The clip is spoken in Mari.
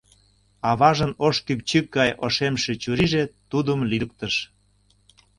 Аважын ош кӱпчык гай ошемше чурийже тудым лӱдыктыш.